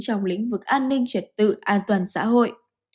trong lĩnh vực an ninh trật tự an toàn xã hội